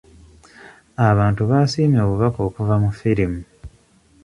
Abantu baasiimye obubaka okuva mu firimu.